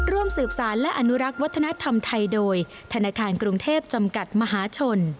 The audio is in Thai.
ร่วมสืบสารและอนุรักษ์วัฒนธรรมไทยโดยธนาคารกรุงเทพจำกัดมหาชน